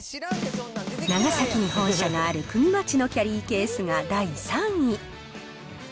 長崎に本社があるクギマチのキャリーケースが第３位。